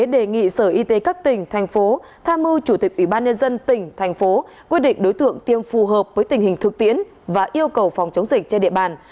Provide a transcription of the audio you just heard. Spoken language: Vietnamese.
để các tỉnh thành phố tham mưu chủ tịch ủy ban nhân dân tỉnh thành phố quyết định đối tượng tiêm phù hợp với tình hình thực tiễn và yêu cầu phòng chống dịch trên địa bàn